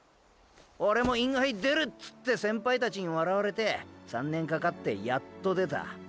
オレもインハイ出るっつって先輩たちに笑われて３年かかってやっと出た。